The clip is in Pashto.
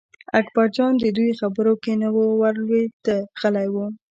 اکبرجان د دوی خبرو کې نه ور لوېده غلی و.